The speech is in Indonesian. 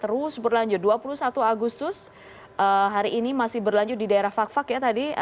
terus berlanjut dua puluh satu agustus hari ini masih berlanjut di daerah fak fak ya tadi